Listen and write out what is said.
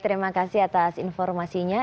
terima kasih atas informasinya